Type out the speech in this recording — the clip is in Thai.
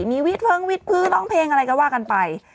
มีวิทเพิงวิทย์พื้นร้องเพลงอะไรก็ว่ากันไป